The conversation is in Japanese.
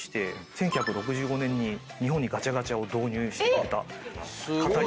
１９６５年に日本にガチャガチャを導入した方になります。